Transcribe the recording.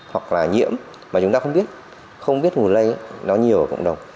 hoặc là nhiễm mà chúng ta không biết không biết nguồn lây nó nhiều ở cộng đồng